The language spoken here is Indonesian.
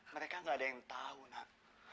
mereka gak ada yang tahu nak